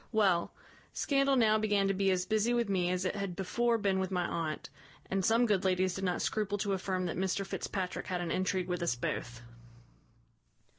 Well, scandal now began to be as busy with me as it had before been with my aunt; and some good ladies did not scruple to affirm that Mr Fitzpatrick had an intrigue with us both.